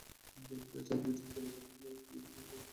চারদিকের চাহিদা মেটাতে গিয়ে কোনো দিকেই তিনি সচ্ছল হতে পারেন না।